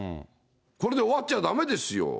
これで終わっちゃだめですよ。